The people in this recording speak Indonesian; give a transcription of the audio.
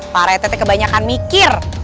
haaah pak rtt kebanyakan mikir